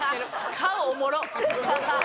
顔おもろっ！